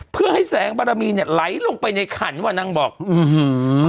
เพื่อให้แสงปารามีเนี่ยไล้ลงไปในขันวะนางบอกอือฮึ